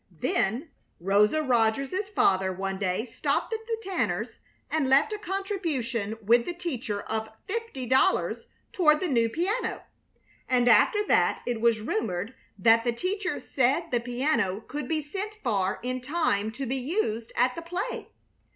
Then Rosa Rogers's father one day stopped at the Tanners' and left a contribution with the teacher of fifty dollars toward the new piano; and after that it was rumored that the teacher said the piano could be sent for in time to be used at the play.